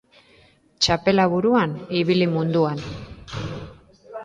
Txapela buruan, ibili munduan.